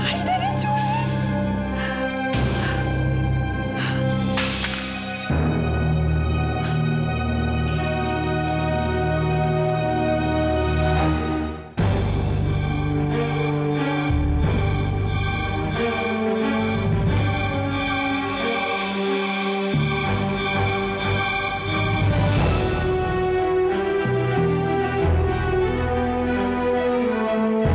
aik tadi culik